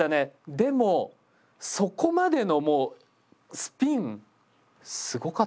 でもそこまでのスピンすごかったですね。